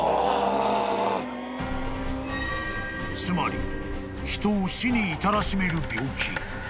［つまり人を死に至らしめる病気］